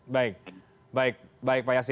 baik baik pak yassin